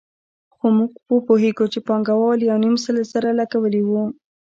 خو موږ پوهېږو چې پانګوال یو نیم سل زره لګولي وو